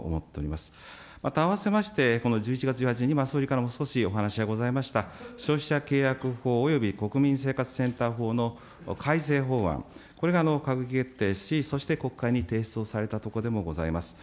またあわせまして、この１１月１８日に、今、総理からも少しお話がございました、消費者契約法および国民生活センター法の改正法案、これが閣議決定し、そして国会に提出をされたところでもございます。